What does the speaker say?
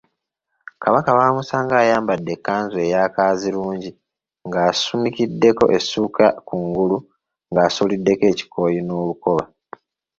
Kakaba baamusanga ayambadde ekkanzu eya Kaazirungi ng’asumikiddeko essuuka kungulu ng’asuuliddeko ekikooyi n’olukoba.